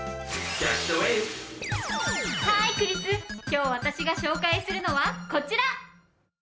今日私が紹介するのはこちら！